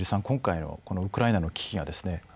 今回のウクライナの危機がですね